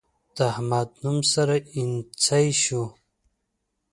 د احمد نوم سره اينڅۍ شو.